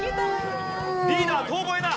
リーダー遠吠えだ！